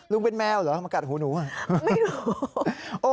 ลุงเป็นแมวเหรอมากัดหูหนูอ่ะ